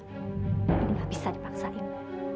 ini nggak bisa dipaksainya